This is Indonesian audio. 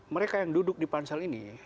mereka yang duduk di pansel ini